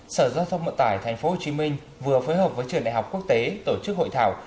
sở giao thông vận tải tp hcm vừa phối hợp với trường đại học quốc tế tổ chức hội thảo